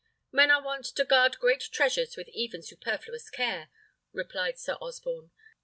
"Men are wont to guard great treasures with even superfluous care," replied Sir Osborne.